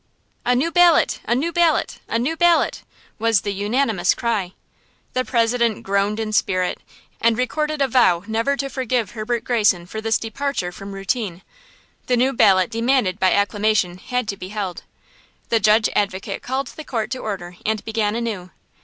"A new ballot! A new ballot! A new ballot!" was the unanimous cry. The President groaned in spirit, and recorded a vow never to forgive Herbert Greyson for this departure from routine. The new ballot demanded by acclamation had to be held. The Judge Advocate called the court to order and began anew.